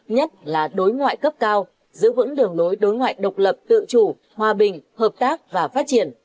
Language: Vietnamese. nhất là đối ngoại cấp cao giữ vững đường lối đối ngoại độc lập tự chủ hòa bình hợp tác và phát triển